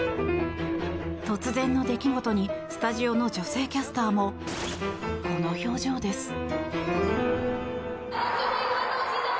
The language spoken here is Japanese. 突然の出来事にスタジオの女性キャスターもこの表情です。